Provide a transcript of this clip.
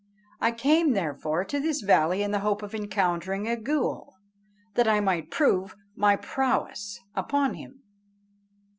I came therefore to this valley in the hope of encountering a ghool, that I might prove my prowess upon him."